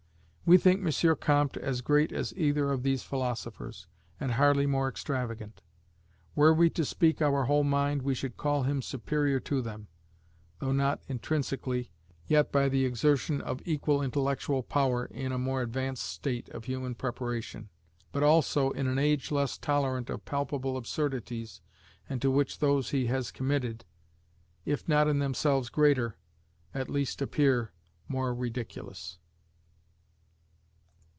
"We think M. Comte as great as either of these philosophers, and hardly more extravagant. Were we to speak our whole mind, we should call him superior to them: though not intrinsically, yet by the exertion of equal intellectual power in a more advanced state of human preparation; but also in an age less tolerant of palpable absurdities, and to which those he has committed, if not in themselves greater, at least appear more ridiculous.